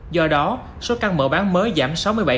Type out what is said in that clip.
do đó số căn mở bán mới giảm sáu mươi bảy